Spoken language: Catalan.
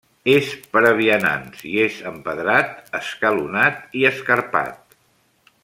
És per a vianants i és empedrat, escalonat i escarpat.